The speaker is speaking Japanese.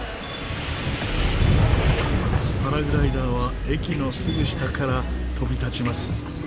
パラグライダーは駅のすぐ下から飛び立ちます。